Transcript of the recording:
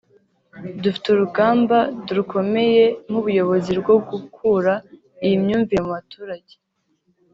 Dufite urugamba drukomeye nk’ubuyobozi rwo gukura iyi myumvire mu baturage